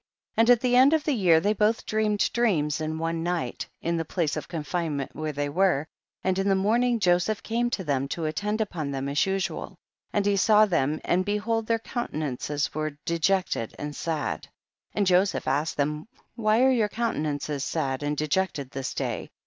6. And at the end of the year, they both dreamed dreams in one night, in the place of confuicment where they were, and in the morning Joseph came to them to attend upon them as usual, and he saw them, and behold their countenances were de jected and sad. 7. And Joseph asked them, why are your countenances sad and de jected this day